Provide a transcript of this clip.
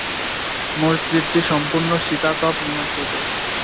মসজিদটি সম্পূর্ণ শীতাতপ নিয়ন্ত্রিত।